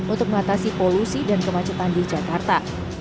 untuk mengatasi polusi dan kemacetan di jakarta